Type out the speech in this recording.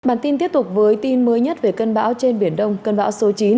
bản tin tiếp tục với tin mới nhất về cơn bão trên biển đông cơn bão số chín